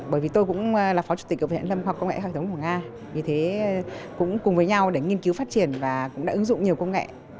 bởi vì tôi cũng là phó chủ tịch công ty nga vì thế cũng cùng với nhau để nghiên cứu phát triển và cũng đã ứng dụng nhiều công nghệ